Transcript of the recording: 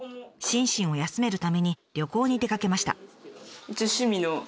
心身を休めるために旅行に出かけました。